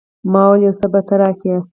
ما وويل يو څه به ته راکې.